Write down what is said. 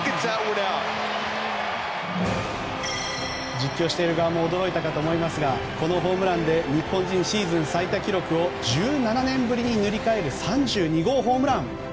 実況している側も驚いたと思いますがこのホームランで日本人シーズン最多記録を１７年ぶりに塗り替える３２号ホームラン。